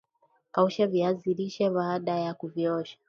Kausha viazi lishe baada ya kuviosha